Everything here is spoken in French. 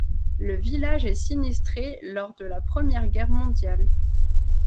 Le village est sinistré lors de la Première Guerre mondiale.